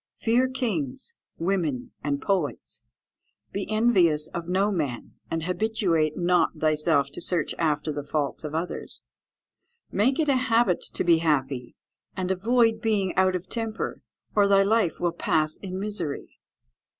_ "Fear kings, women, and poets. "Be envious of no man, and habituate not thyself to search after the faults of others. "Make it a habit to be happy, and avoid being out of temper, or thy life will pass in misery.